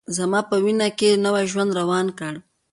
زما په وینوکې نوی ژوند روان کړ